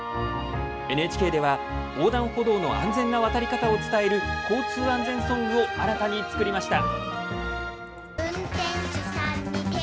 ＮＨＫでは横断歩道の安全な渡り方を伝える交通安全ソングを新たに作りました。